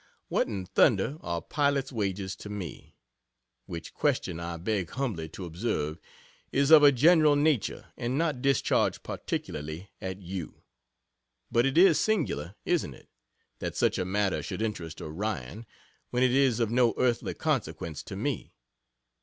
What in thunder are pilot's wages to me? which question, I beg humbly to observe, is of a general nature, and not discharged particularly at you. But it is singular, isn't it, that such a matter should interest Orion, when it is of no earthly consequence to me?